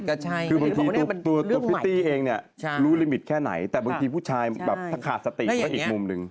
คือบางทีตัวพิตตี้เองรู้ลิมิตแค่ไหนแต่บางทีผู้ชายแบบขาดสติก็อีกมุมนึง